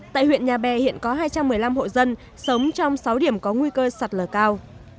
tại huyện nhà bè hiện có hai trăm một mươi năm hộ dân sống trong sáu điểm có nguy cơ sạt lở cao